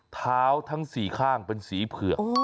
เท้าทั้งสี่ข้างเป็นสีเผือก